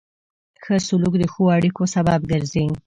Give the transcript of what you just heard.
ښه سلوک د ښو اړیکو سبب ګرځي.